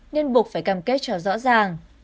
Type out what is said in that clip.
nên buộc phải cam kết cho rõ ràng